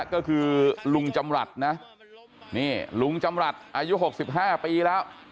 ก็คือลุงจำลัดนะนี่ลุงจำลัดอายุหกสิบห้าปีแล้ว